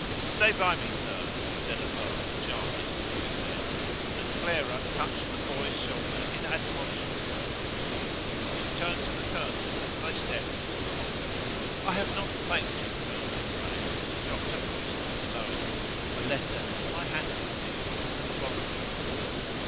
"Stay by me, sir," he said at last sharply to Crossjay, and Clara touched the boy's shoulder in admonishment of him. She turned to the colonel as they stepped into the hall: "I have not thanked you, Colonel De Craye." She dropped her voice to its lowest: "A letter in my handwriting in the laboratory."